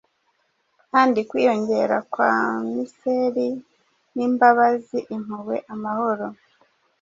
Kandi kwiyongera kwa Miseri Nimbabazi, Impuhwe, Amahoro.